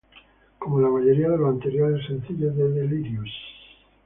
Como la mayoría de los anteriores sencillos de Delirious?